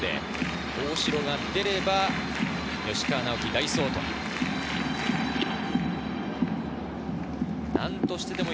大城が出れば、吉川尚輝代走となるでしょう。